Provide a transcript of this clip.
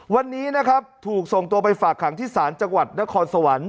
วันนี้นะครับถูกส่งตัวไปฝากขังที่ศาลจังหวัดนครสวรรค์